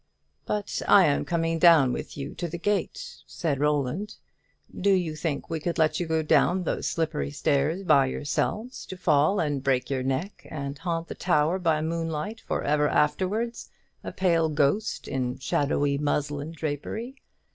"But I am coming down with you to the gate," said Roland; "do you think we could let you go down those slippery stairs by yourself, to fall and break your neck and haunt the tower by moonlight for ever afterwards, a pale ghost in shadowy muslin drapery?